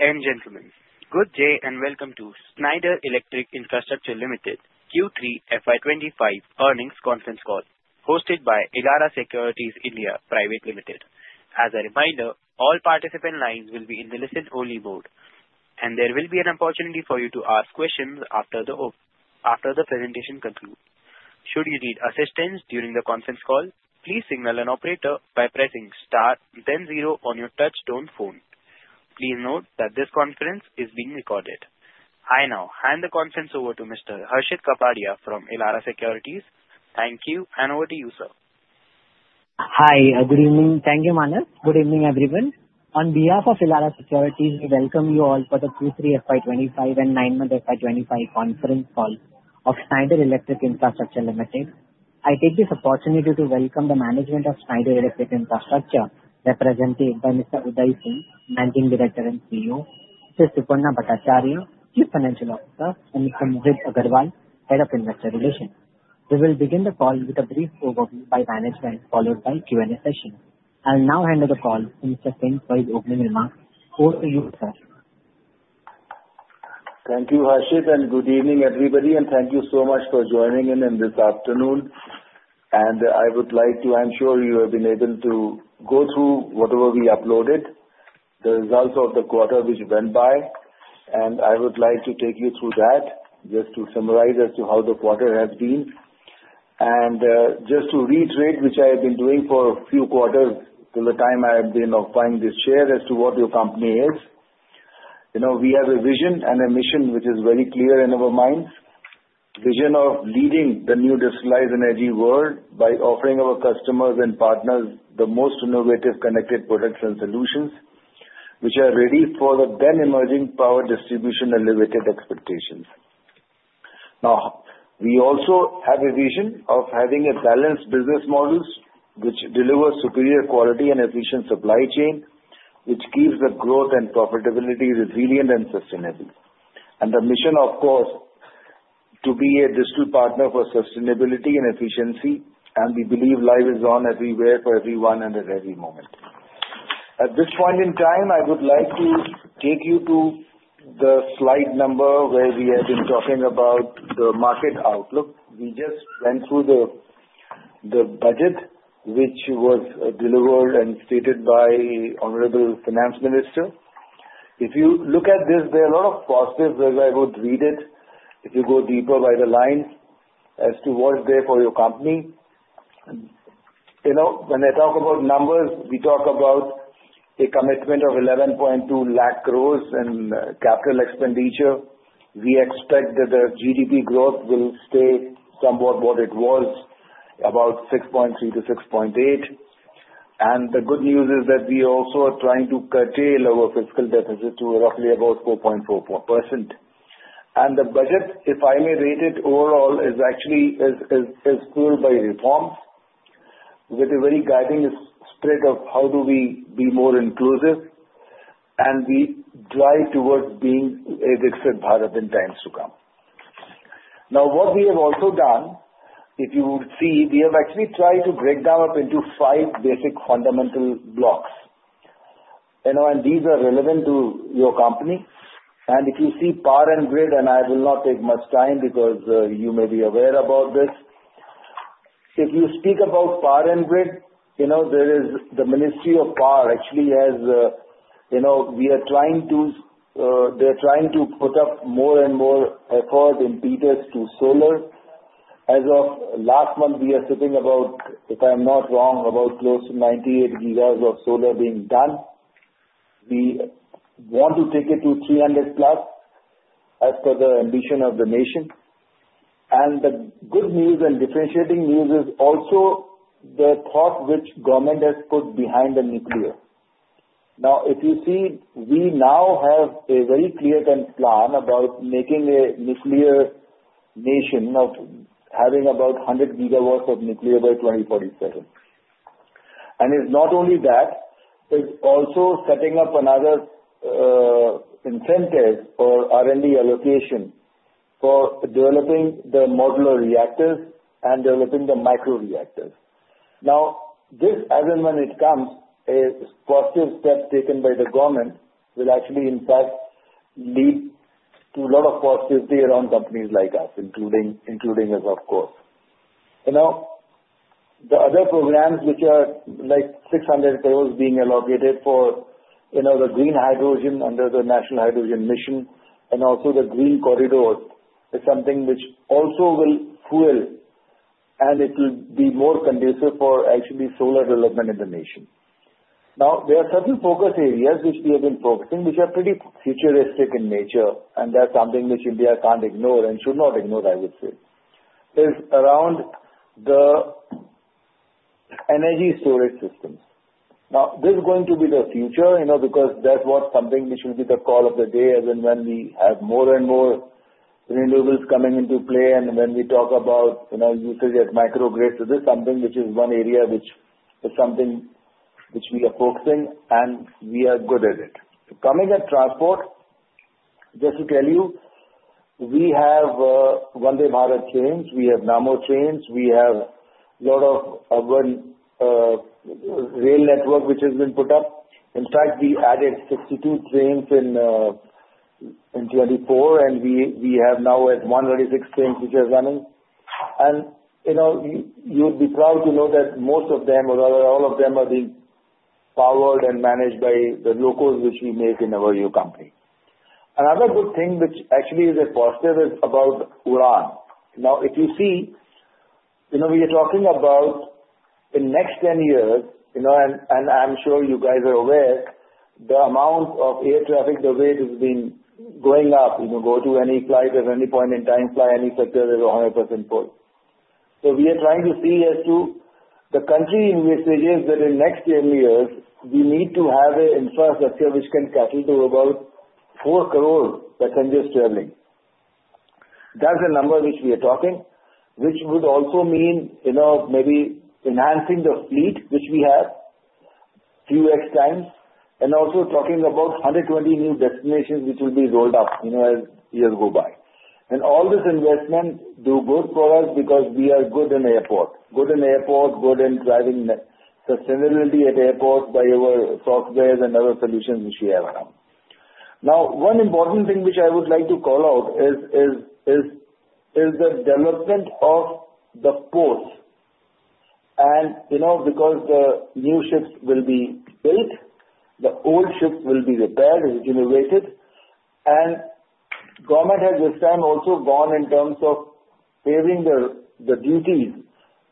Ladies and gentlemen, good day and welcome to Schneider Electric Infrastructure Limited Q3 FY25 Earnings Conference Call, hosted by Elara Securities India Pvt. Ltd. As a reminder, all participant lines will be in the listen-only mode, and there will be an opportunity for you to ask questions after the presentation concludes. Should you need assistance during the conference call, please signal an operator by pressing star then zero on your touch-tone phone. Please note that this conference is being recorded. I now hand the conference over to Mr. Harshit Kapadia from Elara Securities. Thank you, and over to you, sir. Hi, good evening. Thank you, Manir. Good evening, everyone. On behalf of Elara Securities, we welcome you all for the Q3 FY25 and nine-month FY25 conference call of Schneider Electric Infrastructure Limited. I take this opportunity to welcome the management of Schneider Electric Infrastructure, represented by Mr. Udai Singh, Managing Director and CEO, Ms. Suparna Bhattacharyya, Chief Financial Officer, and Mr. Mohit Agarwal, Head of Investor Relations. We will begin the call with a brief overview by management, followed by Q&A session. I'll now hand the call to Mr. Singh for his opening remarks. Over to you, sir. Thank you, Harshit, and good evening, everybody. Thank you so much for joining in this afternoon. I would like to, I'm sure you have been able to go through whatever we uploaded, the results of the quarter which went by. I would like to take you through that, just to summarize as to how the quarter has been. Just to reiterate, which I have been doing for a few quarters till the time I have been occupying this chair, as to what your company is, we have a vision and a mission which is very clear in our minds. A vision of leading the new industrialized energy world by offering our customers and partners the most innovative connected products and solutions which are ready for the then-emerging power distribution and related expectations. Now, we also have a vision of having a balanced business model which delivers superior quality and efficient supply chain, which keeps the growth and profitability resilient and sustainable. And the mission, of course, is to be a distant partner for sustainability and efficiency. And we believe life is on everywhere for everyone and at every moment. At this point in time, I would like to take you to the slide number where we have been talking about the market outlook. We just went through the budget, which was delivered and stated by the Honorable Finance Minister. If you look at this, there are a lot of positives as I would read it. If you go deeper between the lines as to what's there for your company, when I talk about numbers, we talk about a commitment of 11.2 lakh crores in capital expenditure. We expect that the GDP growth will stay somewhat what it was, about 6.3%-6.8%, and the good news is that we also are trying to curtail our fiscal deficit to roughly about 4.4%, and the budget, if I may rate it overall, is actually fueled by reforms with a very guiding spirit of how do we be more inclusive and drive towards being a bigger part of intents to come. Now, what we have also done, if you would see, we have actually tried to break them up into five basic fundamental blocks, and these are relevant to your company, and if you see power and grid, and I will not take much time because you may be aware about this. If you speak about power and grid, there is the Ministry of Power actually has, you know we are trying to—they're trying to put up more and more effort in impetus to solar. As of last month, we are sitting about, if I'm not wrong, about close to 98 gigawatts of solar being done. We want to take it to 300 plus as per the ambition of the nation. And the good news and differentiating news is also the thought which government has put behind the nuclear. Now, if you see, we now have a very clear-cut plan about making a nuclear nation of having about 100 gigawatts of nuclear by 2047. And it's not only that, it's also setting up another incentive or R&D allocation for developing the modular reactors and developing the micro reactors. Now, this, as in when it comes, is a positive step taken by the government, will actually, in fact, lead to a lot of positivity around companies like us, including us, of course. The other programs which are like 600 crores being allocated for the green hydrogen under the National Hydrogen Mission and also the green corridor is something which also will fuel and it will be more conducive for actually solar development in the nation. Now, there are certain focus areas which we have been focusing, which are pretty futuristic in nature, and that's something which India can't ignore and should not ignore, I would say, is around the energy storage systems. Now, this is going to be the future because that's what's something which will be the call of the day, as in when we have more and more renewables coming into play. When we talk about usage at microgrids, this is something which is one area which is something which we are focusing on, and we are good at it. Coming to transport, just to tell you, we have Vande Bharat trains, we have Namo Bharat trains, we have a lot of rail network which has been put up. In fact, we added 62 trains in 2024, and we have now one in every six trains which are running. You would be proud to know that most of them or all of them are being powered and managed by the locos which we make in our company. Another good thing which actually is a positive is about UDAN. Now, if you see, we are talking about the next 10 years, and I'm sure you guys are aware, the amount of air traffic, the rate has been going up. Go to any flight at any point in time, fly any sector, there's 100% full. So we are trying to see as to the country in which it is that in next 10 years, we need to have an infrastructure which can cater to about 4 crore passengers traveling. That's the number which we are talking, which would also mean maybe enhancing the fleet which we have a few X times and also talking about 120 new destinations which will be rolled out as years go by. And all this investment do good for us because we are good in airport, good in airport, good in driving sustainability at airport by our software and other solutions which we have around. Now, one important thing which I would like to call out is the development of the ports. Because the new ships will be built, the old ships will be repaired, renovated, and government has this time also gone in terms of paving the duties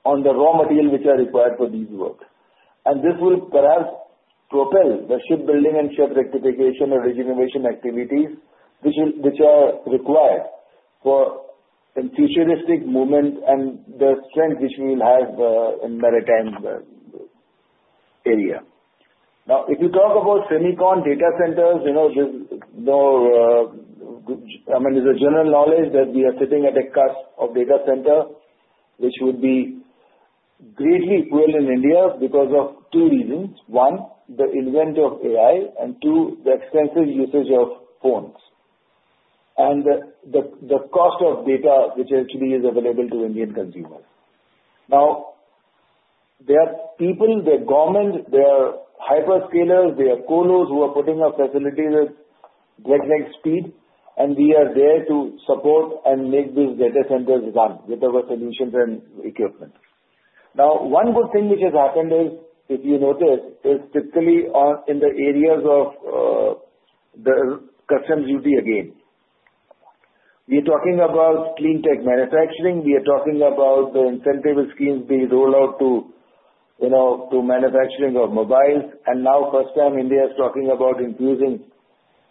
on the raw material which are required for these works. This will perhaps propel the shipbuilding and ship rectification and regeneration activities which are required for futuristic movement and the strength which we will have in maritime area. Now, if you talk about semiconductor data centers, I mean, it's a general knowledge that we are sitting at a cusp of data center, which would pour in greatly in India because of two reasons. One, the invention of AI, and two, the extensive usage of phones and the cost of data which actually is available to Indian consumers. Now, there are people, there are government, there are hyperscalers, there are colos who are putting up facilities at breakneck speed, and we are there to support and make these data centers run with our solutions and equipment. Now, one good thing which has happened is, if you notice, is typically in the areas of the customs duty again. We are talking about clean tech manufacturing. We are talking about the incentive schemes being rolled out to manufacturing of mobiles. And now, first time, India is talking about infusing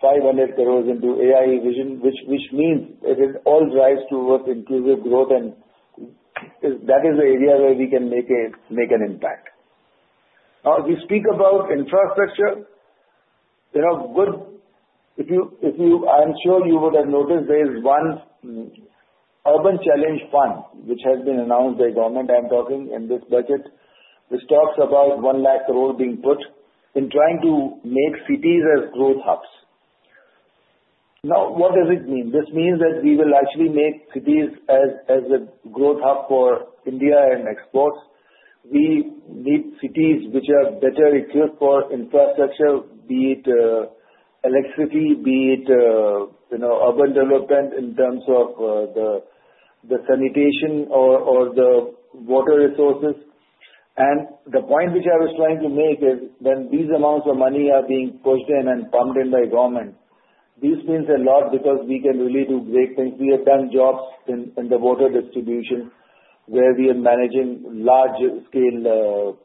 500 crores into AI vision, which means it all drives towards inclusive growth. And that is the area where we can make an impact. Now, if you speak about infrastructure, good. I'm sure you would have noticed there is one Urban Challenge Fund which has been announced by government. I'm talking in this budget. This talks about 1 lakh crore being put in trying to make cities as growth hubs. Now, what does it mean? This means that we will actually make cities as a growth hub for India and exports. We need cities which are better equipped for infrastructure, be it electricity, be it urban development in terms of the sanitation or the water resources, and the point which I was trying to make is when these amounts of money are being pushed in and pumped in by government, these means a lot because we can really do great things. We have done jobs in the water distribution where we are managing large-scale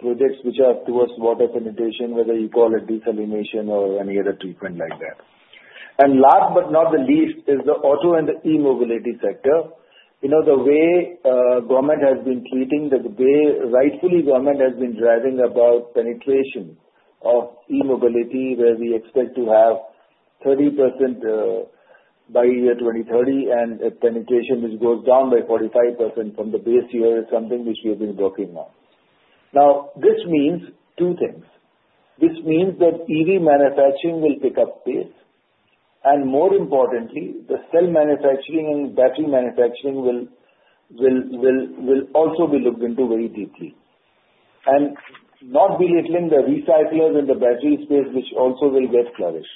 projects which are towards water penetration, whether you call it desalination or any other treatment like that, and last but not the least is the auto and the e-mobility sector. The way government has been treating, the way rightfully government has been driving about penetration of e-mobility where we expect to have 30% by year 2030 and penetration which goes down by 45% from the base year is something which we have been working on. Now, this means two things. This means that EV manufacturing will pick up pace. And more importantly, the cell manufacturing and battery manufacturing will also be looked into very deeply and not belittling the recyclers in the battery space, which also will get flourished.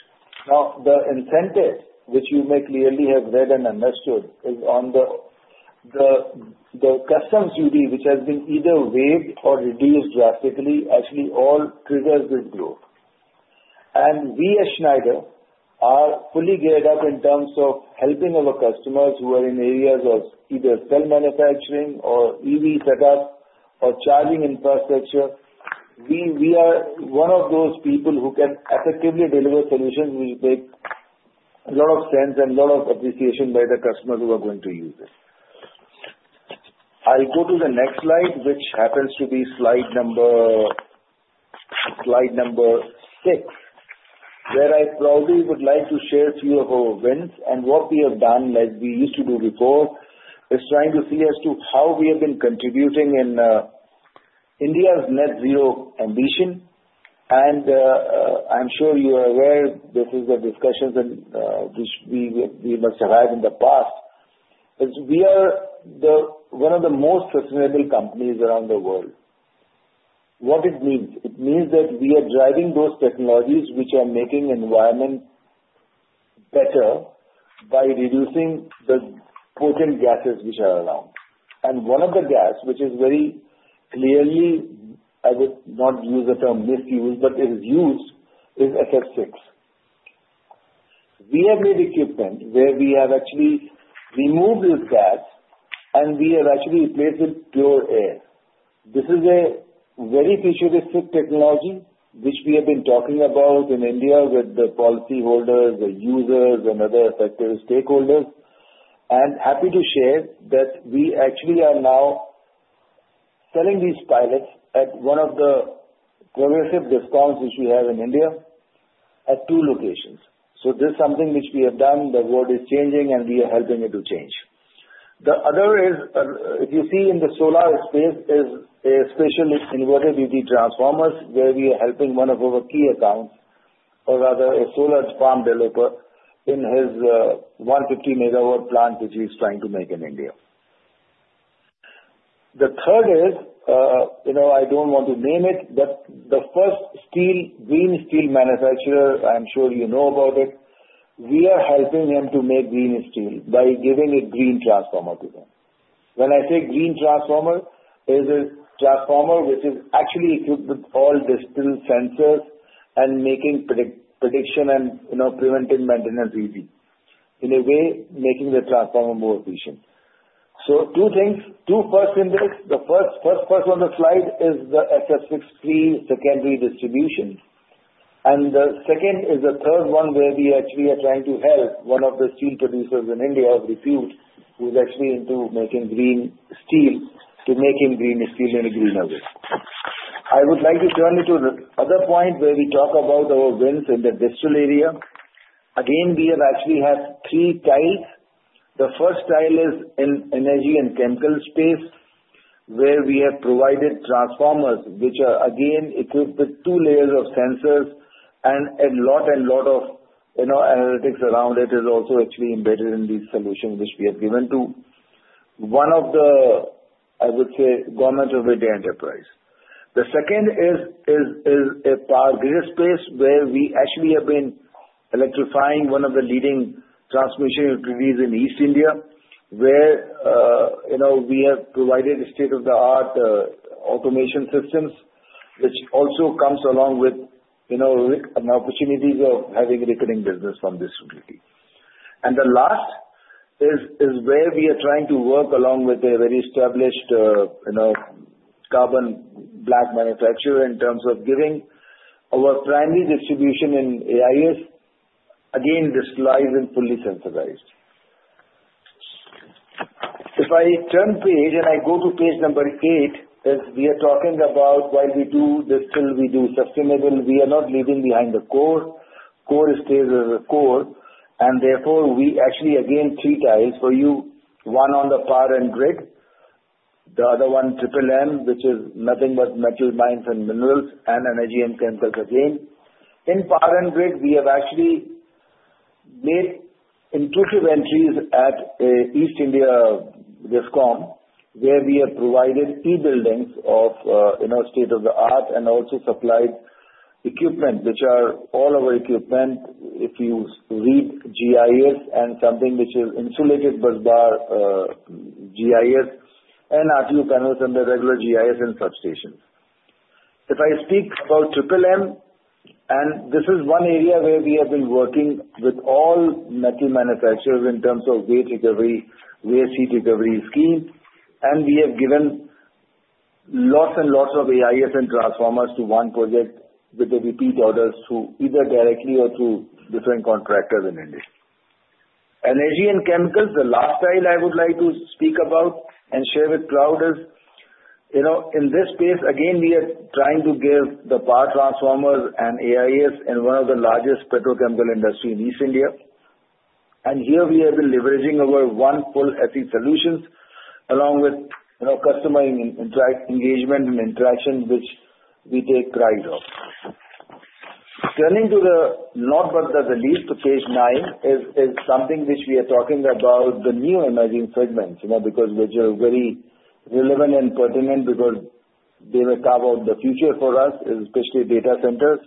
Now, the incentive, which you may clearly have read and understood, is on the customs duty, which has been either waived or reduced drastically. Actually all triggers this growth. And we at Schneider are fully geared up in terms of helping our customers who are in areas of either cell manufacturing or EV setup or charging infrastructure. We are one of those people who can effectively deliver solutions which make a lot of sense and a lot of appreciation by the customers who are going to use it. I go to the next slide, which happens to be slide number six, where I probably would like to share a few of our wins and what we have done like we used to do before. It's trying to see as to how we have been contributing in India's net zero ambition, and I'm sure you are aware this is a discussion which we must have had in the past. We are one of the most sustainable companies around the world. What it means? It means that we are driving those technologies which are making environment better by reducing the potent gases which are around. One of the gases which is very clearly, I would not use the term misuse, but is used is SF6. We have made equipment where we have actually removed this gas and we have actually replaced it with pure air. This is a very futuristic technology which we have been talking about in India with the policymakers, the users, and other affected stakeholders. We are happy to share that we actually are now selling these pilots at one of the progressive Discoms which we have in India at two locations. So this is something which we have done. The world is changing, and we are helping it to change. The other is, if you see in the solar space, is a special inverter EV transformers where we are helping one of our key accounts, or rather a solar farm developer in his 150-MWt plant which he's trying to make in India. The third is, I don't want to name it, but the first green steel manufacturer, I'm sure you know about it, we are helping him to make green steel by giving a green transformer to them. When I say green transformer, it is a transformer which is actually equipped with all digital sensors and making predictive and preventive maintenance easy, in a way, making the transformer more efficient. So two things, two firsts in this. The first on the slide is the SF6-free secondary distribution. The second is the third one where we actually are trying to help one of the steel producers in India in the field who is actually into making green steel to make his green steel in a greener way. I would like to turn it to the other point where we talk about our wins in the digital area. Again, we have actually had three deals. The first deal is in energy and chemical space where we have provided transformers which are again equipped with two layers of sensors and a lot of analytics around it. It is also actually embedded in these solutions which we have given to one of the, I would say, government-owned enterprises. The second is a power grid space where we actually have been electrifying one of the leading transmission utilities in East India where we have provided state-of-the-art automation systems which also comes along with an opportunity of having recurring business from this utility, and the last is where we are trying to work along with a very established carbon black manufacturer in terms of giving our primary distribution in AIS. Again, this slide is fully sensitized. If I turn page and I go to page number eight, as we are talking about, while we do digital, we do sustainable, we are not leaving behind the core. Core stays as a core. Therefore, we actually again, three tiles for you, one on the power and grid, the other one triple M, which is nothing but metal mines and minerals and energy and chemicals again. In power and grid, we have actually made inroads at East India Discom where we have provided E-houses of state-of-the-art and also supplied equipment which are all of our equipment. If you read GIS and something which is insulated busbar GIS and RTU panels and the regular GIS and substations. If I speak about triple M, and this is one area where we have been working with all metal manufacturers in terms of waste recovery, waste heat recovery scheme. And we have given lots and lots of AIS and transformers to one project with the repeat orders through either directly or through different contractors in India. Energy and chemicals, the last title I would like to speak about and share with you all is in this space, again, we are trying to give the power transformers and AIS in one of the largest petrochemical industries in East India. Here we have been leveraging over one full SE solutions along with customer engagement and interaction which we take pride of. Turning to the last but not least, to page 9, is something which we are talking about the new emerging segments because which are very relevant and pertinent because they will carve out the future for us, especially data centers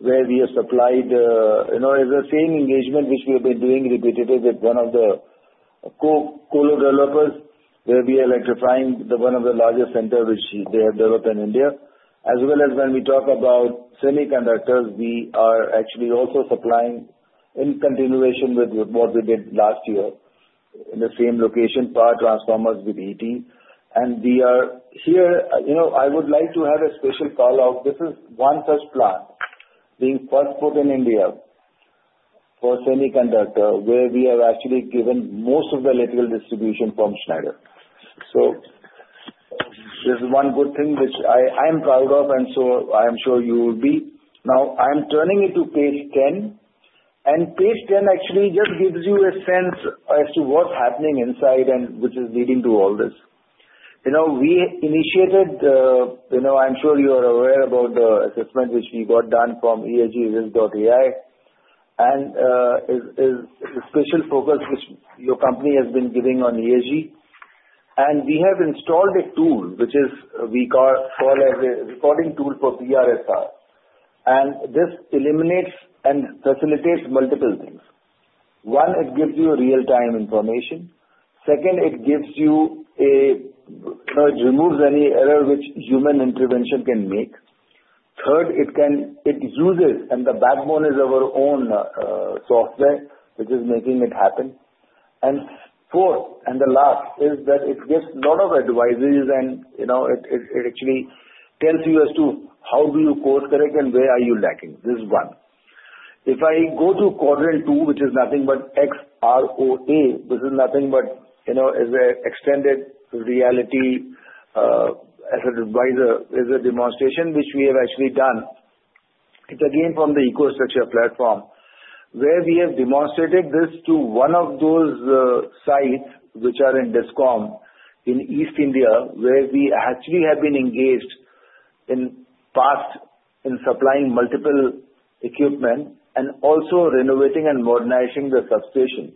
where we have supplied as the same engagement which we have been doing repetitive with one of the colo developers where we are electrifying one of the largest centers which they have developed in India. As well as when we talk about semiconductors, we are actually also supplying in continuation with what we did last year in the same location, power transformers with ET. We are here, I would like to have a special call out. This is one such plant being first put in India for semiconductor where we have actually given most of the electrical distribution from Schneider, so this is one good thing which I am proud of, and so I am sure you will be. Now, I'm turning it to page 10, and page 10 actually just gives you a sense as to what's happening inside and which is leading to all this. We initiated, I'm sure you are aware about the assessment which we got done from ESG. AI, and it's a special focus which your company has been giving on ESG, and we have installed a tool which we call as a recording tool for BRSR, and this eliminates and facilitates multiple things. One, it gives you real-time information. Second, it gives you a it removes any error which human intervention can make. Third, it uses, and the backbone is our own software which is making it happen. Fourth, and the last is that it gives a lot of advisories and it actually tells you as to how do you course correct and where are you lacking. This is one. If I go to quadrant two, which is nothing but XROA, this is nothing but an extended reality advisor. This is a demonstration which we have actually done. It's again from the EcoStruxure platform where we have demonstrated this to one of those sites which are in Discom in East India where we actually have been engaged in the past in supplying multiple equipment and also renovating and modernizing the substation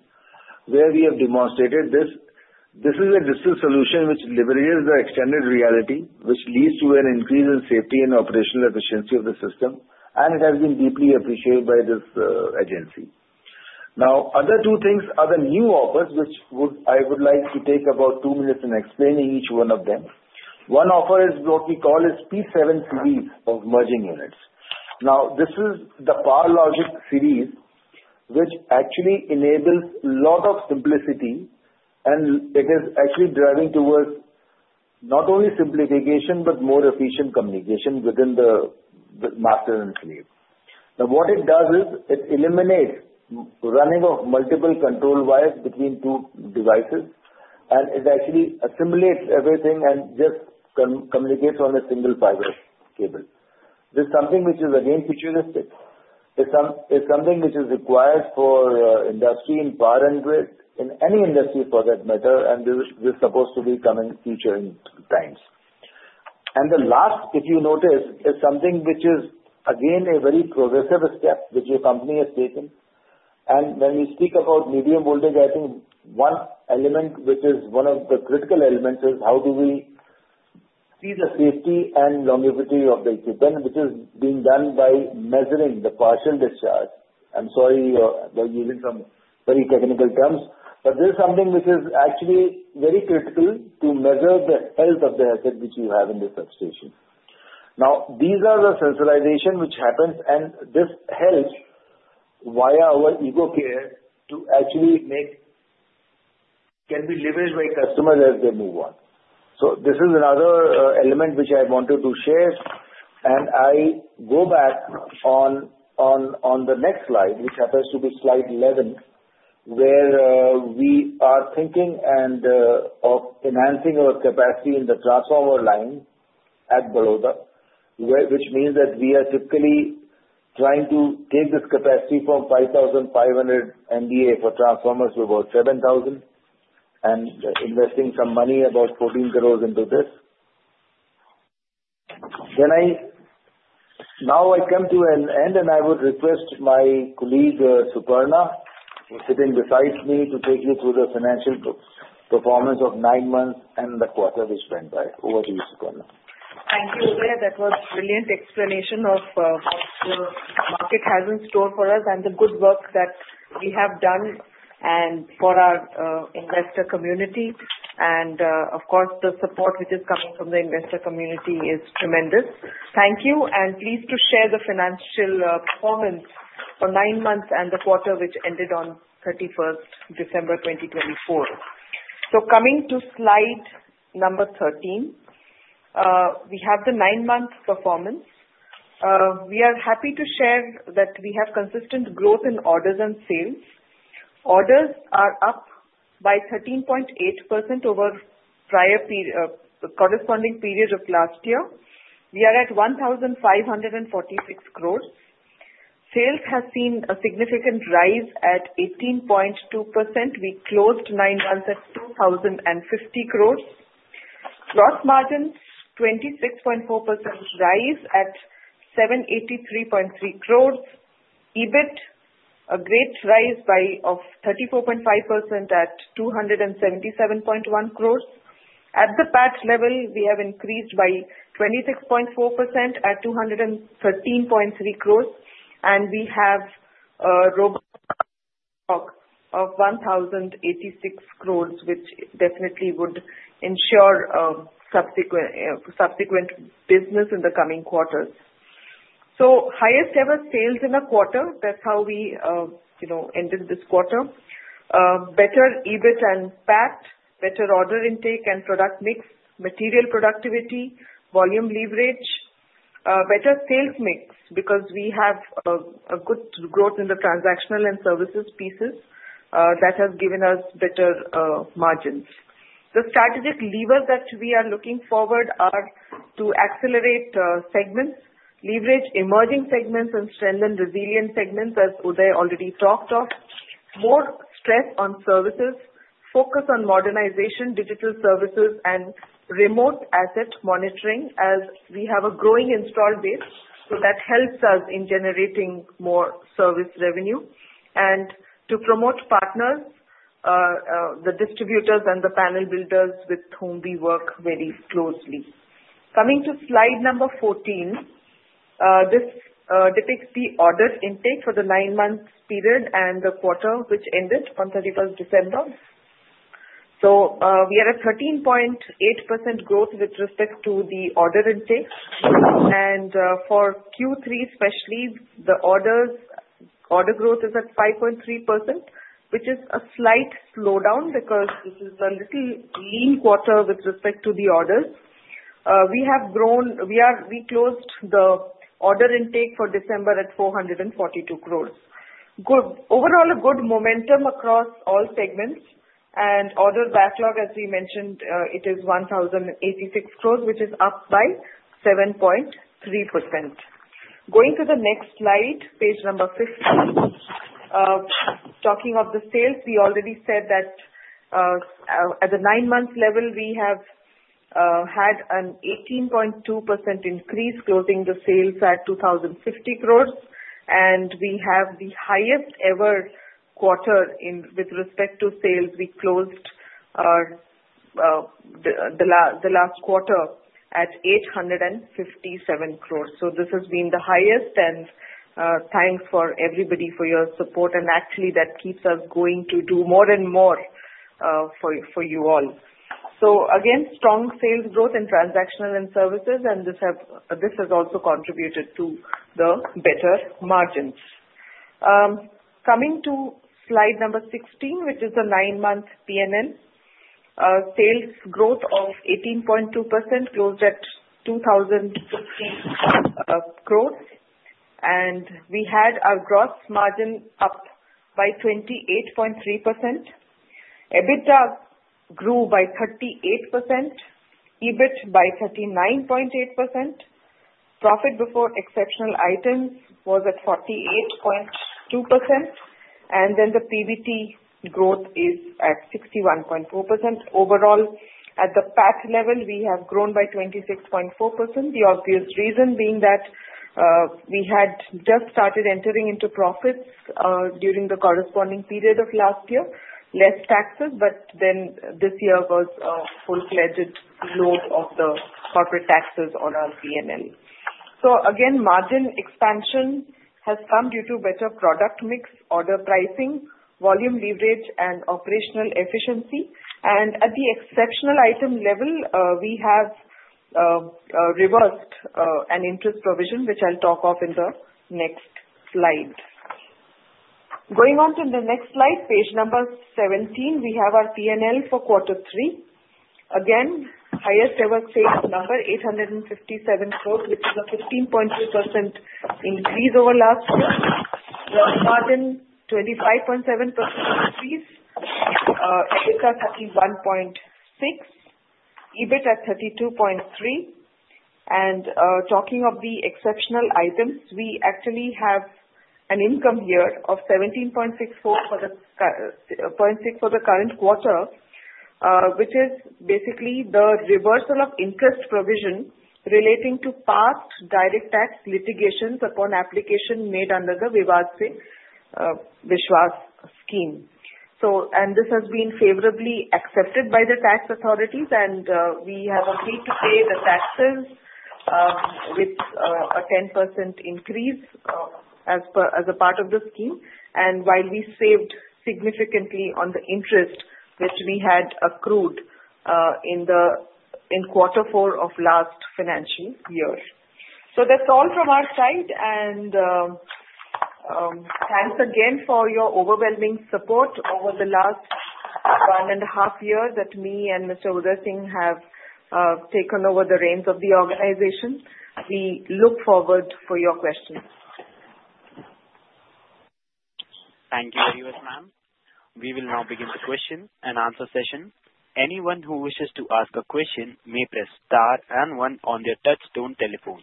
where we have demonstrated this. This is a digital solution which leverages the extended reality which leads to an increase in safety and operational efficiency of the system. It has been deeply appreciated by this agency. Now, other two things are the new offers which I would like to take about two minutes and explain each one of them. One offer is what we call is PowerLogic P7 series of merging units. Now, this is the PowerLogic series which actually enables a lot of simplicity, and it is actually driving towards not only simplification but more efficient communication within the master and slave. Now, what it does is it eliminates running of multiple control wires between two devices, and it actually assimilates everything and just communicates on a single fiber cable. This is something which is again futuristic. It's something which is required for industry in power and grid, in any industry for that matter, and this is supposed to be coming future in times. The last, if you notice, is something which is again a very progressive step which your company has taken. When we speak about medium voltage, I think one element which is one of the critical elements is how do we see the safety and longevity of the equipment, which is being done by measuring the partial discharge. I'm sorry, we're using some very technical terms, but this is something which is actually very critical to measure the health of the asset which you have in the substation. Now, these are the sensitization which happens, and this helps via our EcoCare to actually make can be leveraged by customers as they move on. This is another element which I wanted to share. I go back on the next slide, which happens to be slide 11, where we are thinking of enhancing our capacity in the transformer line at Baroda, which means that we are typically trying to take this capacity from 5,500 MVA for transformers to about 7,000 and investing some money, about 14 crores into this. Now I come to an end, and I would request my colleague, Suparna, who's sitting beside me, to take you through the financial performance of nine months and the quarter which went by. Over to you, Suparna. Thank you Udai. That was a brilliant explanation of what the market has in store for us and the good work that we have done for our investor community. Of course, the support which is coming from the investor community is tremendous. Thank you. And please share the financial performance for nine months and the quarter which ended on 31st December 2024. So coming to slide number 13, we have the nine-month performance. We are happy to share that we have consistent growth in orders and sales. Orders are up by 13.8% over the corresponding period of last year. We are at 1,546 crores. Sales have seen a significant rise at 18.2%. We closed nine months at 2,050 crores. Gross margins, 26.4% rise at 783.3 crores. EBIT, a great rise of 34.5% at 277.1 crores. At the PAT level, we have increased by 26.4% at 213.3 crores, and we have a robust stock of 1,086 crores, which definitely would ensure subsequent business in the coming quarters. So highest-ever sales in a quarter, that's how we ended this quarter. Better EBIT and PAT, better order intake and product mix, material productivity, volume leverage, better sales mix because we have a good growth in the transactional and services pieces that has given us better margins. The strategic levers that we are looking forward are to accelerate segments, leverage emerging segments, and strengthen resilient segments, as Udai already talked of. More stress on services, focus on modernization, digital services, and remote asset monitoring as we have a growing install base. So that helps us in generating more service revenue. And to promote partners, the distributors and the panel builders with whom we work very closely. Coming to slide number 14, this depicts the order intake for the nine-month period and the quarter which ended on 31st December. So we are at 13.8% growth with respect to the order intake. For Q3 especially, the order growth is at 5.3%, which is a slight slowdown because this is a little lean quarter with respect to the orders. We closed the order intake for December at 442 crores. Overall, a good momentum across all segments. Order backlog, as we mentioned, it is 1,086 crores, which is up by 7.3%. Going to the next slide, page number 15, talking of the sales, we already said that at the nine-month level, we have had an 18.2% increase, closing the sales at 2,050 crores. We have the highest-ever quarter with respect to sales. We closed the last quarter at 857 crores. This has been the highest and thanks for everybody for your support. Actually, that keeps us going to do more and more for you all. So again, strong sales growth in transactional and services, and this has also contributed to the better margins. Coming to slide number 16, which is the nine-month P&L, sales growth of 18.2% closed at 2,015 crores. And we had our gross margin up by 28.3%. EBITDA grew by 38%, EBIT by 39.8%. Profit before exceptional items was at 48.2%. And then the PBT growth is at 61.4%. Overall, at the PAT level, we have grown by 26.4%, the obvious reason being that we had just started entering into profits during the corresponding period of last year, less taxes, but then this year was a full-fledged load of the corporate taxes on our P&L. So again, margin expansion has come due to better product mix, order pricing, volume leverage, and operational efficiency. And at the exceptional item level, we have reversed an interest provision, which I'll talk of in the next slide. Going on to the next slide, page number 17, we have our P&L for quarter three. Again, highest-ever sales number, 857 crores, which is a 15.2% increase over last year. Gross margin, 25.7% increase. EBITDA 31.6, EBIT at 32.3. And talking of the exceptional items, we actually have an income of 17.64 crores for the current quarter, which is basically the reversal of interest provision relating to past direct tax litigations upon application made under the Vivad se Vishwas scheme. And this has been favorably accepted by the tax authorities, and we have agreed to pay the taxes with a 10% increase as a part of the scheme. And while we saved significantly on the interest which we had accrued in quarter four of last financial year. So that's all from our side. And thanks again for your overwhelming support over the last one and a half years that me and Mr. Udai Singh have taken over the reins of the organization. We look forward to your questions. Thank you, very much ma'am. We will now begin the question and answer session. Anyone who wishes to ask a question may press star and one on their touch-tone telephone.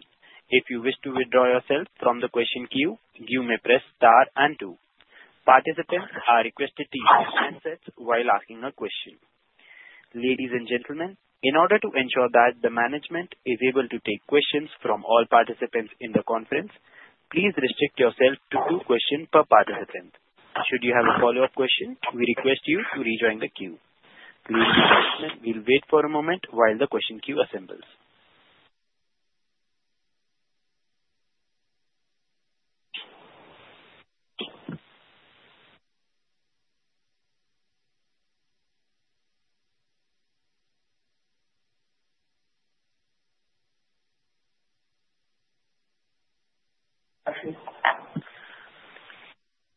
If you wish to withdraw yourself from the question queue, you may press star and two. Participants are requested to use handsets while asking a question. Ladies and gentlemen, in order to ensure that the management is able to take questions from all participants in the conference, please restrict yourself to two questions per participant. Should you have a follow-up question, we request you to rejoin the queue. Please be patient. We'll wait for a moment while the question queue assembles.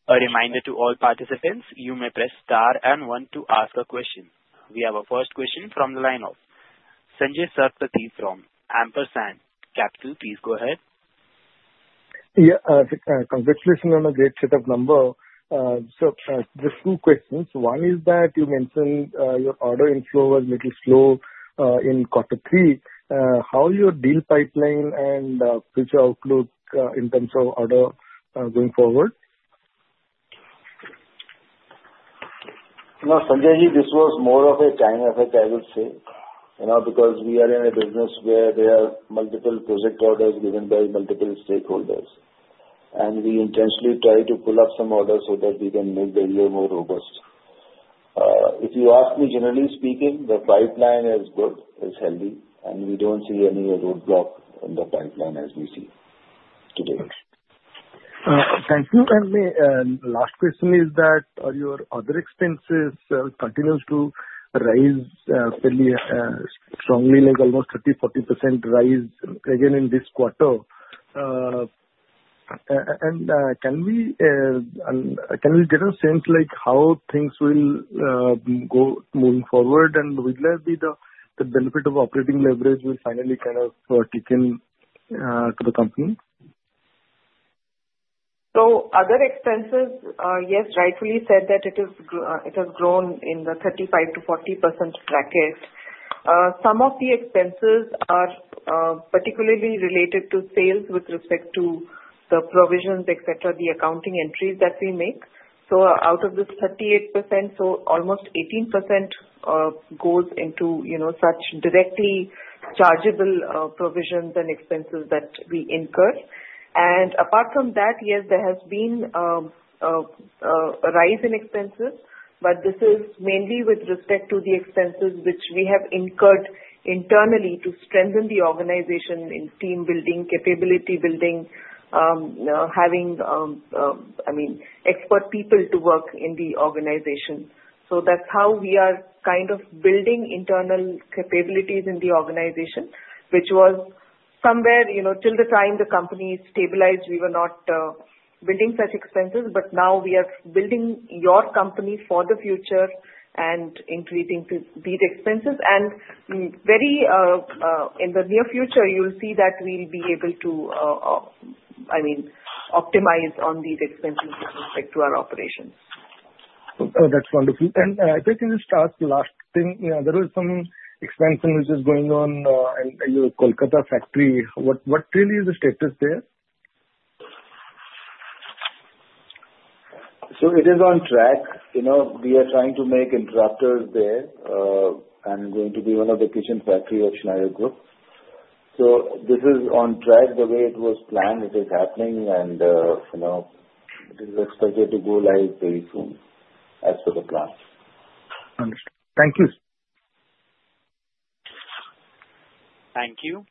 A reminder to all participants, you may press star and one to ask a question. We have a first question from the line of Sanjaya Satapathy from Ampersand. Sanjay, please go ahead. Yeah. Congratulations on a great setup number. So just two questions. One is that you mentioned your order inflow was a little slow in quarter three. How is your deal pipeline and future outlook in terms of order going forward? Sanjay ji, this was more of a time effect, I would say, because we are in a business where there are multiple project orders given by multiple stakeholders. And we intentionally try to pull up some orders so that we can make the year more robust. If you ask me, generally speaking, the pipeline is good, is healthy, and we don't see any roadblock in the pipeline as we see today. Thank you. And the last question is that your other expenses continue to rise fairly strongly, like almost 30%-40% rise again in this quarter. And can we get a sense of how things will go moving forward, and will there be the benefit of operating leverage will finally kind of kick in to the company? So other expenses, yes, rightfully said that it has grown in the 35%-40% bracket. Some of the expenses are particularly related to sales with respect to the provisions, etc., the accounting entries that we make. So out of this 38%, almost 18% goes into such directly chargeable provisions and expenses that we incur. Apart from that, yes, there has been a rise in expenses, but this is mainly with respect to the expenses which we have incurred internally to strengthen the organization in team building, capability building, having, I mean, expert people to work in the organization. That's how we are kind of building internal capabilities in the organization, which was somewhere till the time the company stabilized. We were not building such expenses, but now we are building our company for the future and increasing these expenses. In the near future, you'll see that we'll be able to, I mean, optimize on these expenses with respect to our operations. That's wonderful. If I can just ask the last thing, there was some expansion which is going on in your Kolkata factory. What really is the status there? It is on track. We are trying to make interrupters there and going to be one of the Kolkata factory of Schneider Group. So this is on track the way it was planned. It is happening, and it is expected to go live very soon as per the plan. Understood. Thank you. Thank you.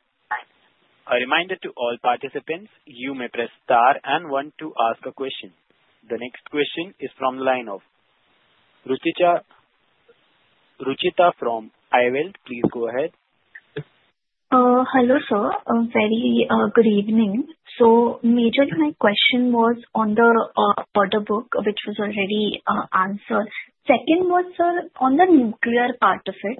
A reminder to all participants, you may press star and one to ask a question. The next question is from the line of Ruchita from iWealth. Please go ahead. Hello, sir. Very good evening. So majorly my question was on the order book, which was already answered. Second was, sir, on the nuclear part of it.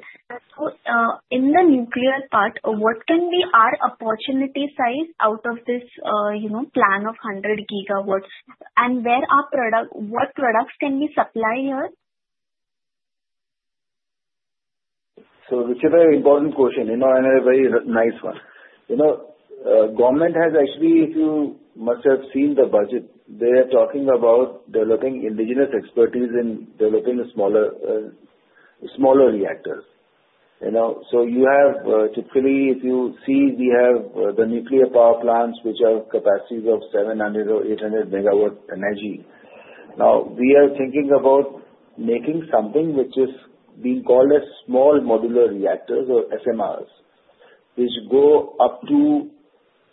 In the nuclear part, what can be our opportunity size out of this plan of 100 gigawatts? And what products can we supply here? So Ruchita, important question and a very nice one. Government has actually, if you must have seen the budget, they are talking about developing indigenous expertise in developing smaller reactors. So you have typically, if you see, we have the nuclear power plants which have capacities of 700 or 800 MW energy. Now, we are thinking about making something which is being called small modular reactors or SMRs, which go up to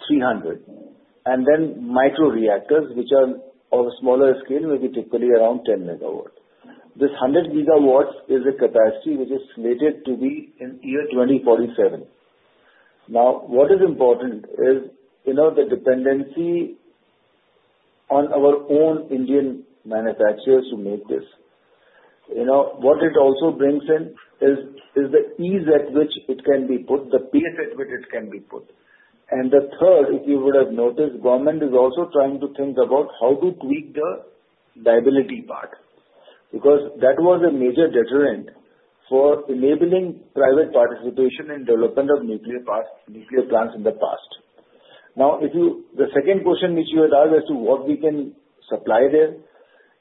300. And then micro reactors, which are of a smaller scale, maybe typically around 10 MW. This 100 gigawatts is a capacity which is slated to be in year 2047. Now, what is important is the dependency on our own Indian manufacturers to make this. What it also brings in is the ease at which it can be put, the pace at which it can be put. The third, if you would have noticed, government is also trying to think about how to tweak the liability part because that was a major deterrent for enabling private participation in development of nuclear plants in the past. Now, the second question which you had asked as to what we can supply there,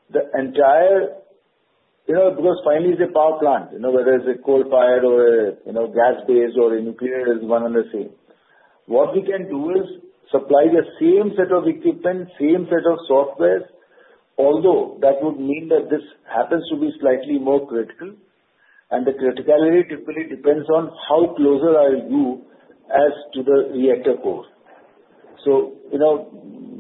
the entire because finally, it's a power plant, whether it's a coal-fired or a gas-based or a nuclear is one and the same. What we can do is supply the same set of equipment, same set of software, although that would mean that this happens to be slightly more critical. The criticality typically depends on how closer are you as to the reactor core.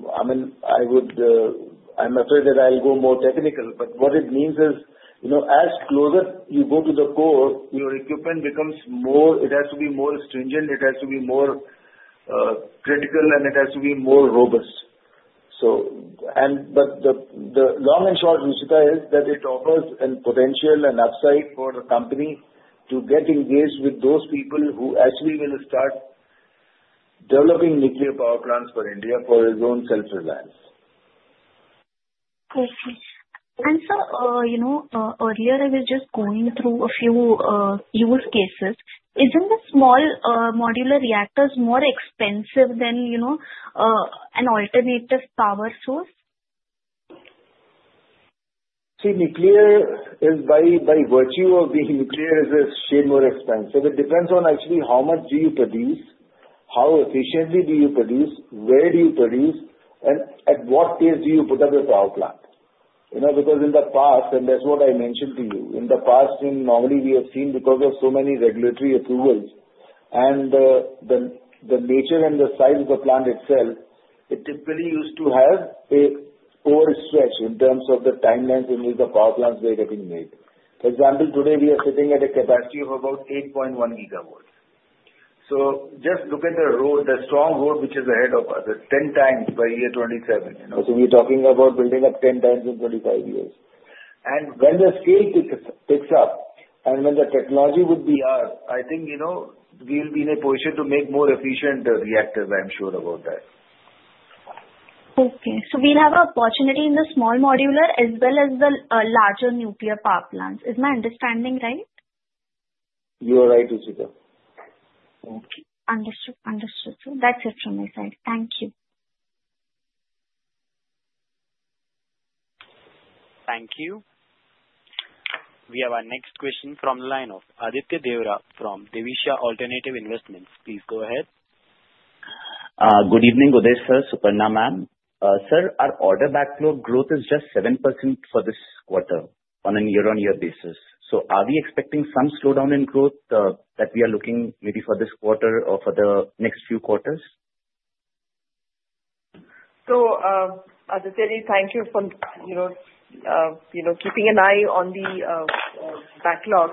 I mean, I'm afraid that I'll go more technical, but what it means is as closer you go to the core, your equipment becomes more. It has to be more stringent, it has to be more critical, and it has to be more robust. But the long and short, Ruchita, is that it offers a potential and upside for the company to get engaged with those people who actually will start developing nuclear power plants for India for his own self-reliance. And sir, earlier, I was just going through a few use cases. Isn't the small modular reactors more expensive than an alternative power source? See, nuclear is by virtue of being nuclear a noteworthy expense. So it depends on actually how much do you produce, how efficiently do you produce, where do you produce, and at what pace do you put up your power plant. Because in the past, and that's what I mentioned to you, in the past, normally we have seen because of so many regulatory approvals and the nature and the size of the plant itself, it typically used to have an overstretch in terms of the timelines in which the power plants were getting made. For example, today, we are sitting at a capacity of about 8.1 gigawatts. So just look at the roadmap, the strong roadmap which is ahead of us; it's 10 times by 2027. So we're talking about building up 10 times in 25 years. And when the scale picks up and when the technology would be ours, I think we'll be in a position to make more efficient reactors. I'm sure about that. Okay. So we'll have an opportunity in the small modular as well as the larger nuclear power plants. Is my understanding right? You're right, Ruchita. Okay. Understood. Understood. That's it from my side. Thank you. Thank you. We have our next question from the line of Aditya Devara from Divisha Alternative Investments. Please go ahead. Good evening, Uday sir, Suparna ma'am. Sir, our order backlog growth is just 7% for this quarter on a year-on-year basis. So are we expecting some slowdown in growth that we are looking maybe for this quarter or for the next few quarters? So Aditya, thank you for keeping an eye on the backlog.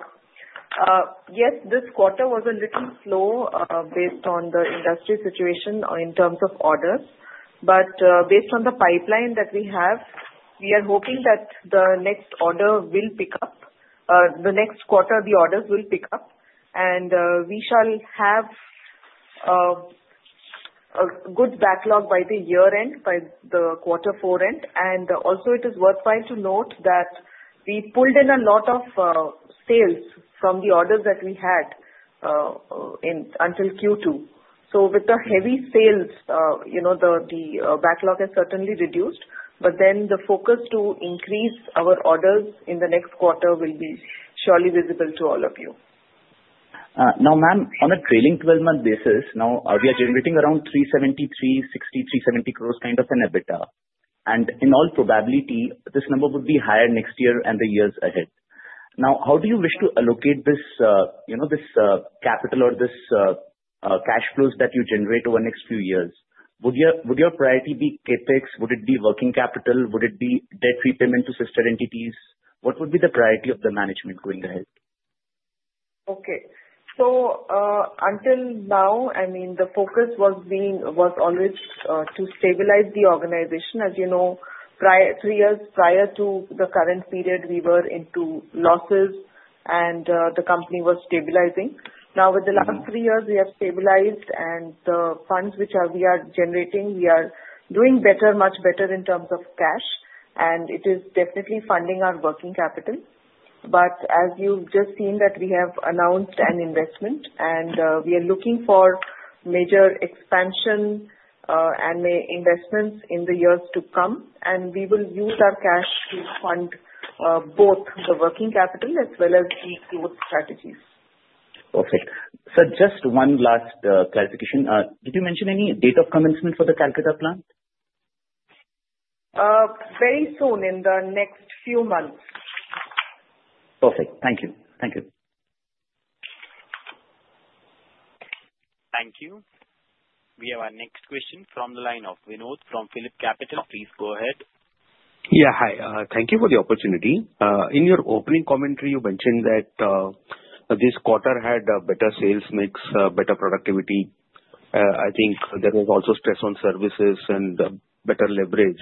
Yes, this quarter was a little slow based on the industry situation in terms of orders. But based on the pipeline that we have, we are hoping that the next order will pick up. The next quarter, the orders will pick up, and we shall have a good backlog by the year-end, by the quarter four-end. It is worthwhile to note that we pulled in a lot of sales from the orders that we had until Q2. So with the heavy sales, the backlog has certainly reduced, but then the focus to increase our orders in the next quarter will be surely visible to all of you. Now, ma'am, on a trailing 12-month basis, now we are generating around 3,73, 60, 370 crores kind of an EBITDA. In all probability, this number would be higher next year and the years ahead. Now, how do you wish to allocate this capital or this cash flows that you generate over the next few years? Would your priority be CapEx? Would it be working capital? Would it be debt repayment to sister entities? What would be the priority of the management going ahead? Okay. So until now, I mean, the focus was always to stabilize the organization. As you know, three years prior to the current period, we were into losses, and the company was stabilizing. Now, with the last three years, we have stabilized, and the funds which we are generating, we are doing better, much better in terms of cash. And it is definitely funding our working capital. But as you've just seen that we have announced an investment, and we are looking for major expansion and investments in the years to come. And we will use our cash to fund both the working capital as well as the growth strategies. Perfect. Sir, just one last clarification. Did you mention any date of commencement for the Kolkata plant? Very soon, in the next few months. Perfect. Thank you. Thank you. Thank you. We have our next question from the line of Vinod from PhillipCapital. Please go ahead. Yeah. Hi. Thank you for the opportunity. In your opening commentary, you mentioned that this quarter had a better sales mix, better productivity. I think there was also stress on services and better leverage.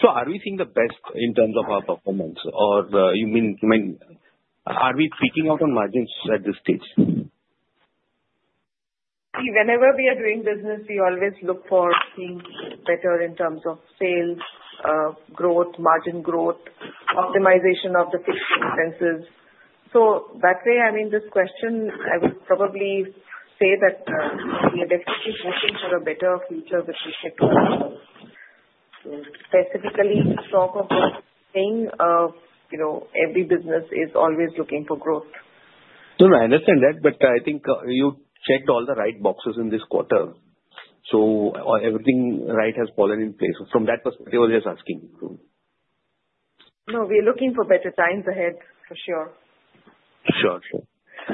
So are we seeing the best in terms of our performance? Or you mean, are we peaking out on margins at this stage? See, whenever we are doing business, we always look for things better in terms of sales, growth, margin growth, optimization of the fixed expenses. So that way, I mean, this question, I would probably say that we are definitely hoping for a better future with respect to our growth. Specifically, talk of saying every business is always looking for growth. No, no. I understand that, but I think you checked all the right boxes in this quarter. So, everything right has fallen in place. From that perspective, I was just asking. No, we are looking for better times ahead, for sure. Sure. Sure.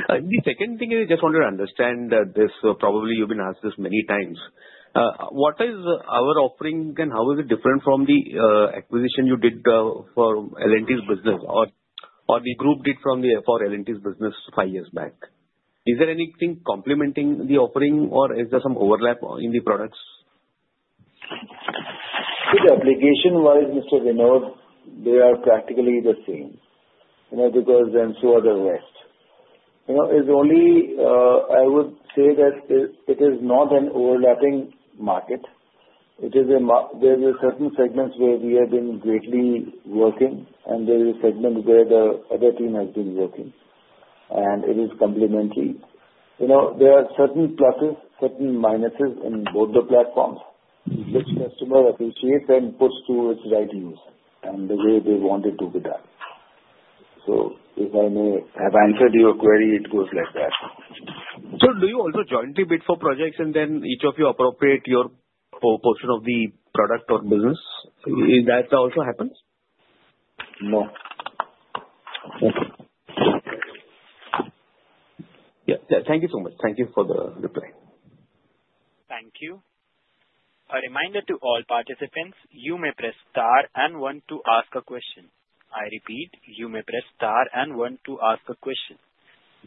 The second thing is, I just wanted to understand this. Probably you've been asked this many times. What is our offering, and how is it different from the acquisition you did for L&T's business or the group did for L&T's business five years back? Is there anything complementing the offering, or is there some overlap in the products? See, the application-wise, Mr. Vinod, they are practically the same because then so are the rest. It's only, I would say, that it is not an overlapping market. There are certain segments where we have been greatly working, and there are segments where the other team has been working, and it is complementary. There are certain pluses, certain minuses in both the platforms, which customer appreciates and puts to its right use and the way they want it to be done. So if I may have answered your query, it goes like that. Sir, do you also jointly bid for projects, and then each of you appropriate your portion of the product or business? That also happens? No. Thank you so much. Thank you for the reply. Thank you. A reminder to all participants, you may press star and one to ask a question. I repeat, you may press star and one to ask a question.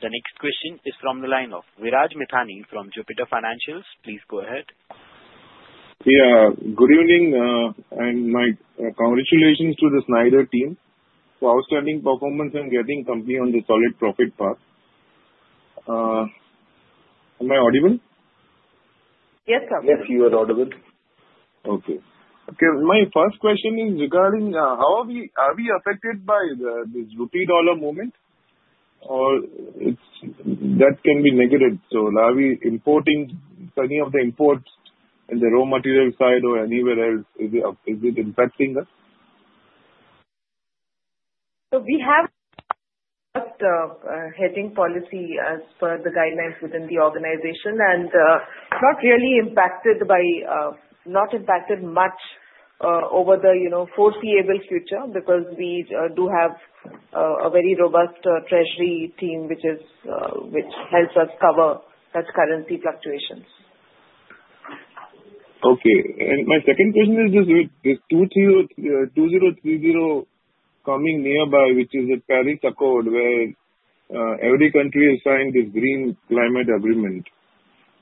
The next question is from the line of Viraj Methani from Jupiter Financials. Please go ahead. Yeah. Good evening, and my congratulations to the Schneider team. So outstanding performance and getting company on the solid profit path. Am I audible? Yes, sir. Yes, you are audible. Okay. Okay. My first question is regarding how are we affected by this rupee-dollar movement? That can be negative. So are we importing any of the imports in the raw material side or anywhere else? Is it impacting us? So we have just a hedging policy as per the guidelines within the organization and not really impacted much over the foreseeable future because we do have a very robust treasury team which helps us cover such currency fluctuations. Okay. And my second question is this 2030 coming nearby, which is a Paris Accord where every country has signed this green climate agreement.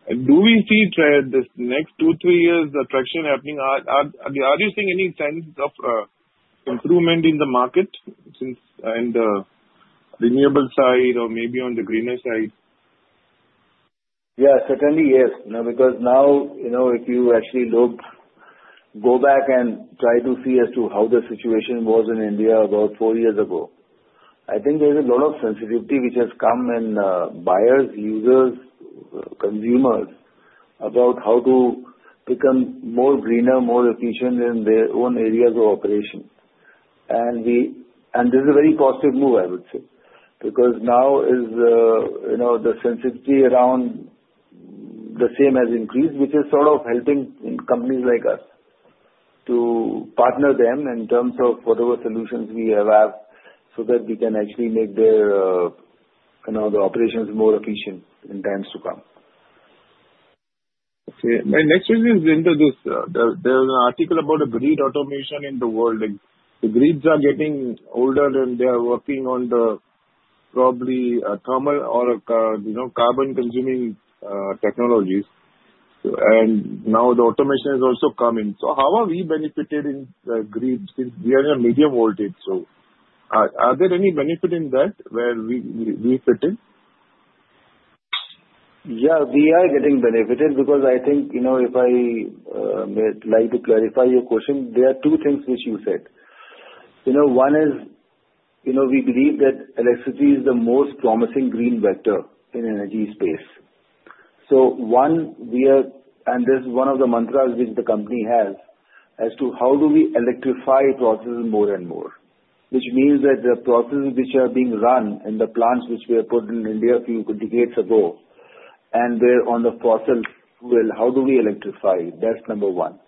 Do we see this next two, three years' traction happening? Are you seeing any signs of improvement in the market and the renewable side or maybe on the greener side? Yeah, certainly yes. Because now if you actually go back and try to see as to how the situation was in India about four years ago, I think there's a lot of sensitivity which has come in buyers, users, consumers about how to become more greener, more efficient in their own areas of operation, and this is a very positive move, I would say, because now the sensitivity around the same has increased, which is sort of helping companies like us to partner them in terms of whatever solutions we have so that we can actually make the operations more efficient in times to come. Okay. My next question is into this. There's an article about a grid automation in the world. The grids are getting older, and they are working on probably thermal or carbon-consuming technologies, and now the automation has also come in. So how are we benefited in the grid since we are in a medium voltage? So are there any benefit in that where we fit in? Yeah, we are getting benefited because I think if I like to clarify your question, there are two things which you said. One is we believe that electricity is the most promising green vector in energy space. So one, we are and this is one of the mantras which the company has as to how do we electrify processes more and more, which means that the processes which are being run in the plants which were put in India a few decades ago and were on the fossil fuel, how do we electrify? That's number one.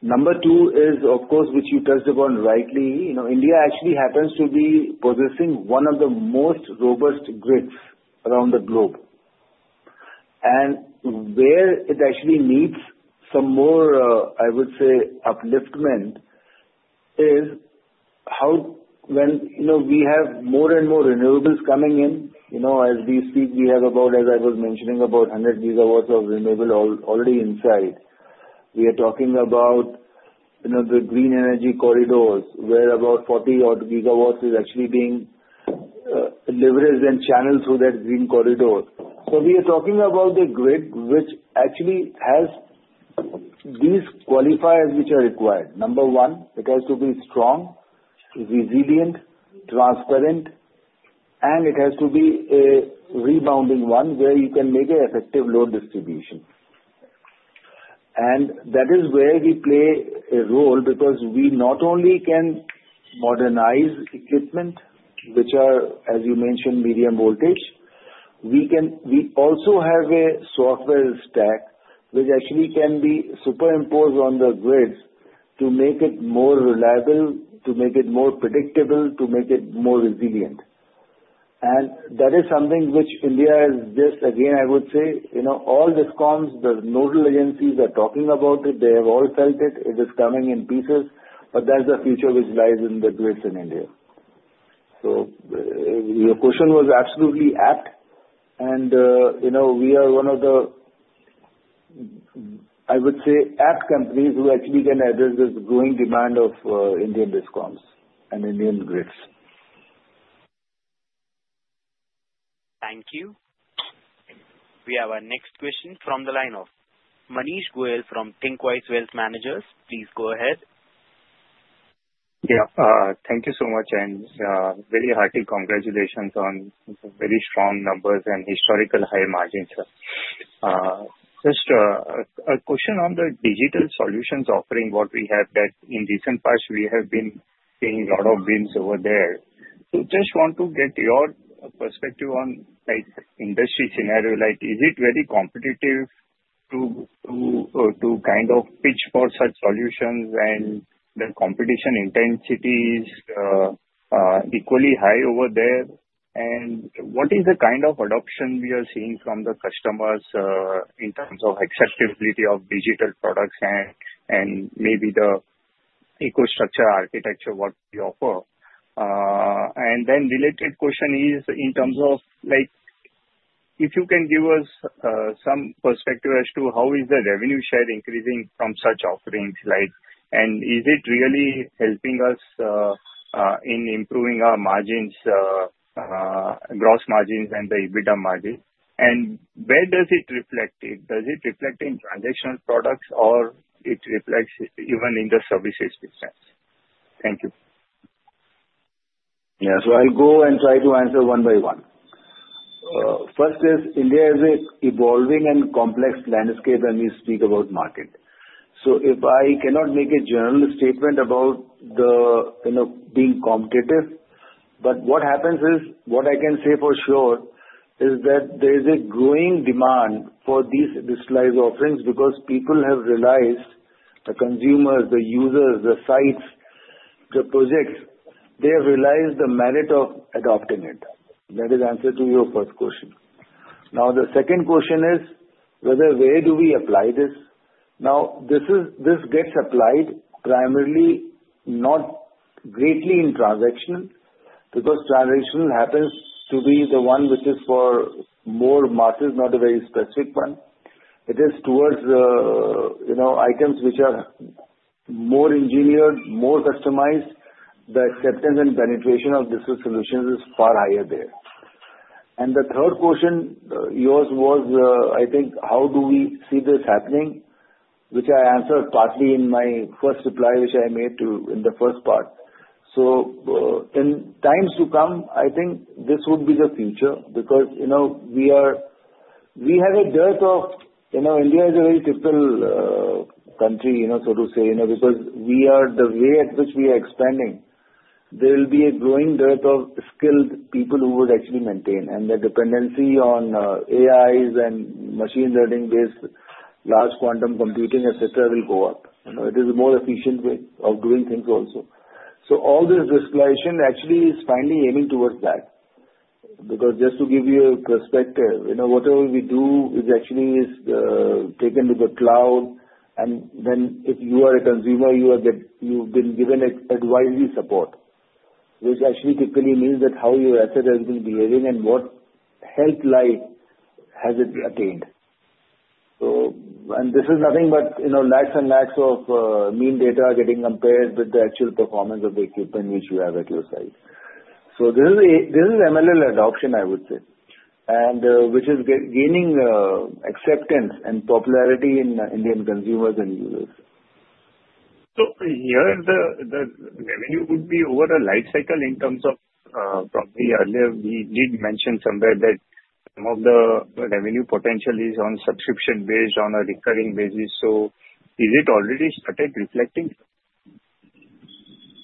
Number two is, of course, which you touched upon rightly, India actually happens to be possessing one of the most robust grids around the globe. Where it actually needs some more, I would say, upliftment is when we have more and more renewables coming in. As we speak, we have about, as I was mentioning, about 100 gigawatts of renewable already inside. We are talking about the green energy corridors where about 40 gigawatts is actually being leveraged and channeled through that green corridor. So we are talking about the grid which actually has these qualifiers which are required. Number one, it has to be strong, resilient, transparent, and it has to be a rebounding one where you can make an effective load distribution. And that is where we play a role because we not only can modernize equipment which are, as you mentioned, medium voltage. We also have a software stack which actually can be superimposed on the grid to make it more reliable, to make it more predictable, to make it more resilient, and that is something which India is just again, I would say, all this comes, the nodal agencies are talking about it. They have all felt it. It is coming in pieces, but that's the future which lies in the grids in India. So your question was absolutely apt, and we are one of the, I would say, apt companies who actually can address this growing demand of Indian discoms and Indian grids. Thank you. We have our next question from the line of Manish Goyal from Thinqwise Wealth Managers. Please go ahead. Yeah. Thank you so much, and very hearty congratulations on very strong numbers and historical high margins, sir. Just a question on the digital solutions offering, what we have that in recent past, we have been seeing a lot of wins over there. So just want to get your perspective on industry scenario. Is it very competitive to kind of pitch for such solutions, and the competition intensity is equally high over there? And what is the kind of adoption we are seeing from the customers in terms of acceptability of digital products and maybe the EcoStruxure architecture what we offer? And then related question is in terms of if you can give us some perspective as to how is the revenue share increasing from such offerings, and is it really helping us in improving our margins, gross margins, and the EBITDA margin? And where does it reflect? Does it reflect in transactional products, or it reflects even in the services business? Thank you. Yeah. I'll go and try to answer one by one. First is India is an evolving and complex landscape when we speak about market. If I cannot make a general statement about it being competitive, but what happens is what I can say for sure is that there is a growing demand for these digitalized offerings because people have realized the consumers, the users, the sites, the projects. They have realized the merit of adopting it. That is the answer to your first question. Now, the second question is where do we apply this? Now, this gets applied primarily, not greatly in transactional because transactional happens to be the one which is for more markets, not a very specific one. It is towards items which are more engineered, more customized. The acceptance and penetration of these solutions is far higher there. The third question yours was, I think, how do we see this happening, which I answered partly in my first reply which I made in the first part. In times to come, I think this would be the future because we have a dearth of India is a very typical country, so to say, because we are the way at which we are expanding. There will be a growing dearth of skilled people who would actually maintain, and the dependency on AIs and machine learning-based large quantum computing, etc., will go up. It is a more efficient way of doing things also. So all this disclosure actually is finally aiming towards that because just to give you a perspective, whatever we do is actually taken to the cloud, and then if you are a consumer, you've been given advisory support, which actually typically means that how your asset has been behaving and what health life has it attained. And this is nothing but lakes and lakes of machine data getting compared with the actual performance of the equipment which you have at your site. So this is ML adoption, I would say, which is gaining acceptance and popularity in Indian consumers and users. So here the revenue would be over a lifecycle in terms of probably earlier we did mention somewhere that some of the revenue potential is on subscription based on a recurring basis. So is it already started reflecting?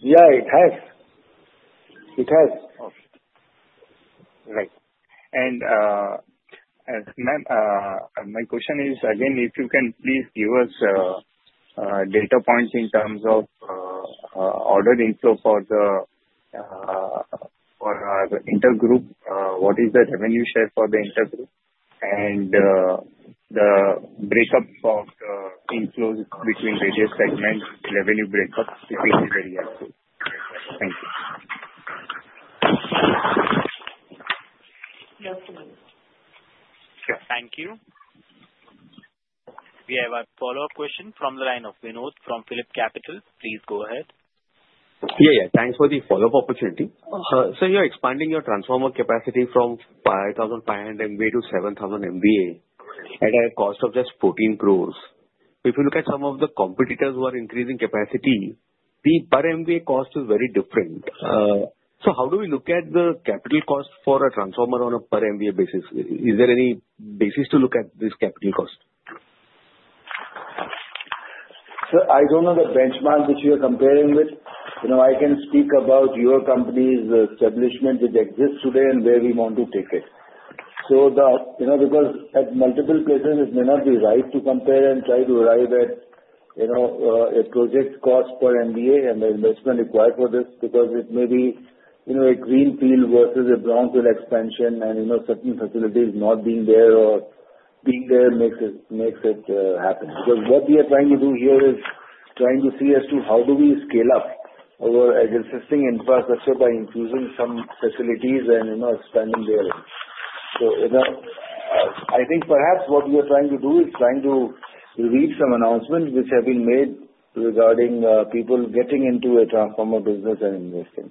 Yeah, it has. It has. Okay. Right. My question is, again, if you can please give us data points in terms of ordered inflow for the intergroup? What is the revenue share for the intergroup, and the breakup of the inflows between various segments? Revenue breakup, if it's very helpful. Thank you. Yes, sir. Sure. Thank you. We have a follow-up question from the line of Vinod from PhillipCapital. Please go ahead. Yeah, yeah. Thanks for the follow-up opportunity. Sir, you're expanding your transformer capacity from 5,500 MVA to 7,000 MVA at a cost of just 14 crores. If you look at some of the competitors who are increasing capacity, the per MVA cost is very different. So how do we look at the capital cost for a transformer on a per MVA basis? Is there any basis to look at this capital cost? Sir, I don't know the benchmark which you're comparing with. I can speak about your company's establishment which exists today and where we want to take it. So because at multiple places, it may not be right to compare and try to arrive at a project cost per MVA and the investment required for this because it may be a greenfield versus a brownfield expansion and certain facilities not being there or being there makes it happen. Because what we are trying to do here is trying to see as to how do we scale up our existing infrastructure by infusing some facilities and expanding there. So I think perhaps what we are trying to do is trying to read some announcements which have been made regarding people getting into a transformer business and investing.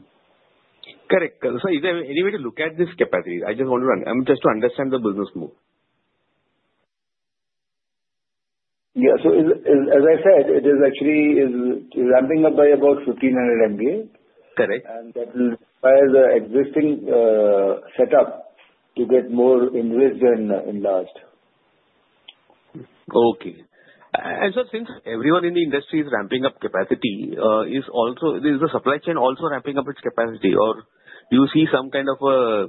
Correct. So is there any way to look at this capacity? I just want to understand the business move. Yeah. So as I said, it is actually ramping up by about 1,500 MVA. And that will require the existing setup to get more investment and enlarged. Okay. And so since everyone in the industry is ramping up capacity, is the supply chain also ramping up its capacity, or do you see some kind of a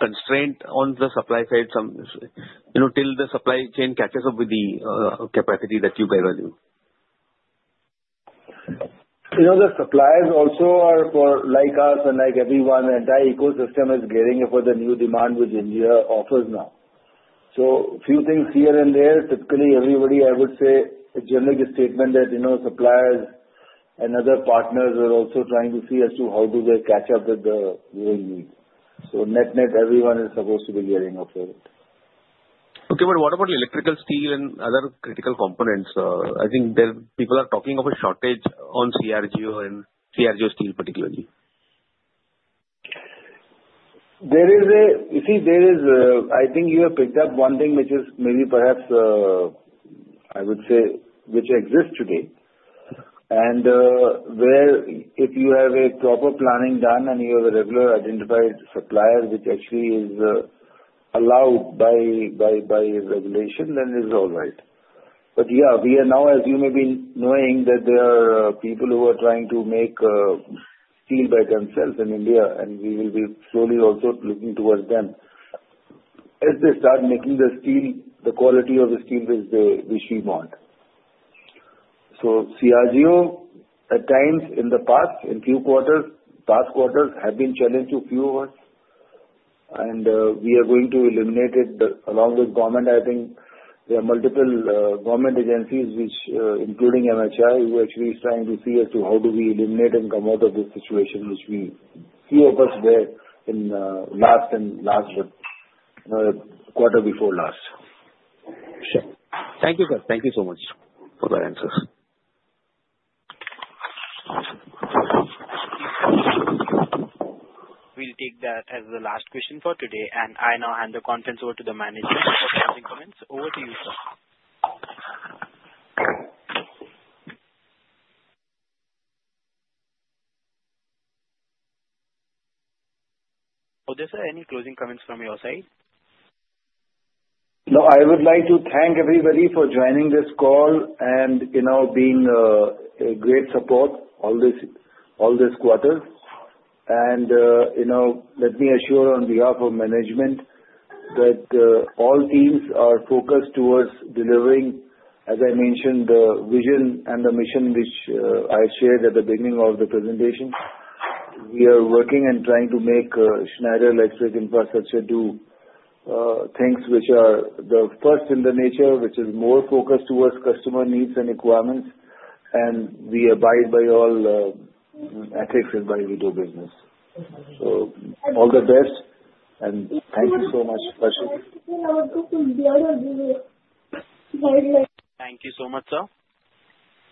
constraint on the supply side till the supply chain catches up with the capacity that you guys are doing? The suppliers also are for like us and like everyone, and the entire ecosystem is gearing up for the new demand which India offers now. So a few things here and there. Typically, everybody, I would say, generally gives statement that suppliers and other partners are also trying to see as to how do they catch up with the growing need. So net-net everyone is supposed to be gearing up to it. Okay. But what about electrical steel and other critical components? I think people are talking of a shortage on CRGO and CRGO steel particularly. You see, there is. I think you have picked up one thing which is maybe perhaps I would say which exists today. And where if you have a proper planning done and you have a regular identified supplier which actually is allowed by regulation, then it's all right. But yeah, we are now, as you may be knowing, that there are people who are trying to make steel by themselves in India, and we will be slowly also looking towards them as they start making the steel, the quality of the steel which they wish we want. So CRGO, at times in the past, in few quarters, past quarters have been challenged to a few of us, and we are going to eliminate it along with government. I think there are multiple government agencies, including MHI, who actually is trying to see as to how do we eliminate and come out of this situation, which we few of us were in last and last quarter before last. Sure. Thank you, sir. Thank you so much for that answer. We'll take that as the last question for today, and I now hand the contents over to the management for closing comments. Over to you, sir. Are there any closing comments from your side? No. I would like to thank everybody for joining this call and being a great support all this quarter. And let me assure on behalf of management that all teams are focused towards delivering, as I mentioned, the vision and the mission which I shared at the beginning of the presentation. We are working and trying to make Schneider Electric Infrastructure do things which are the first in the nature, which is more focused towards customer needs and requirements, and we abide by all ethics and by we do business. All the best, and thank you so much. Thank you so much, sir.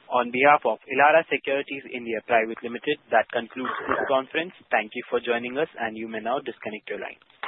On behalf of Elara Securities India Private Limited, that concludes this conference. Thank you for joining us, and you may now disconnect your line.